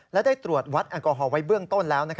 และได้ตรวจวัดแอลกอฮอลไว้เบื้องต้นแล้ว